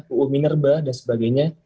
uu minerba dan sebagainya